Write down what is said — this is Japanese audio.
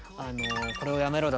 「これを辞めろだ？